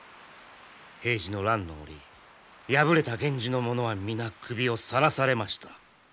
平治の乱の折敗れた源氏の者は皆首をさらされました。